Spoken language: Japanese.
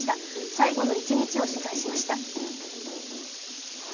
最後の一日を取材しました。